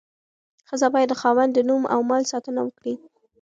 ښځه باید د خاوند د نوم او مال ساتنه وکړي.